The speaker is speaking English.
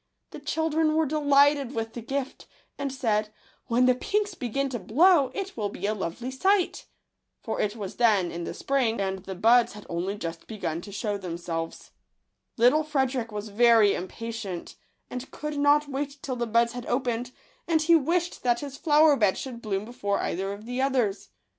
The children were delighted with the gift, and said, " When the pinks begin to blow, it will be a lovely sight !" for it was then in the spring, and the buds had only just begun to shew themselves. Little Frederick was very impatient, and could not wait till the buds had opened ; and he wished that his flower bed should bloom before either of the others.